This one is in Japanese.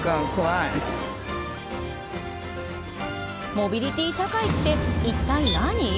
モビリティ社会って一体何？